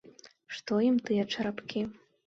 Што ім тыя чарапкі?